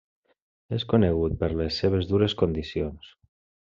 És conegut per les seves dures condicions.